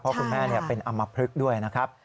เพราะคุณแม่เป็นอำมพลึกด้วยนะครับ